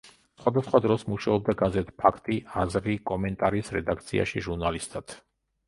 სხვადასხვა დროს მუშაობდა გაზეთ „ფაქტი, აზრი, კომენტარის“ რედაქციაში ჟურნალისტად.